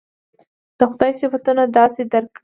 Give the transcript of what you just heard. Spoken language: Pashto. د خدای صفتونه داسې درک کړي.